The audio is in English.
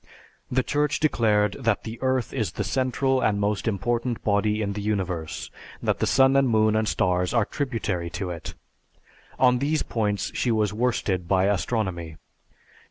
The Church declared that the earth is the central and most important body in the Universe, that the sun and moon and stars are tributary to it. On these points she was worsted by astronomy.